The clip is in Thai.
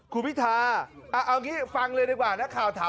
คุณพิธาร่ะหรือเอาอย่างงี้ฟังเลยดีกว่า